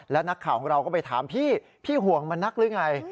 แล้วนักข่าวของเราก็ไปถามพี่พี่ห่วงมันนักหรือไง